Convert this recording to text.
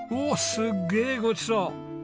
すっげえごちそう！